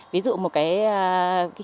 ví dụ một cái